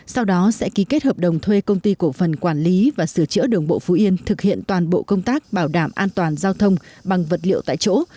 sau đó sẽ ký kết hợp đồng thuê công ty cổ phần quản lý và sửa chữa đường bộ phú yên thực hiện toàn bộ công tác bảo đảm an toàn giao thông bằng vật liệu tại chỗ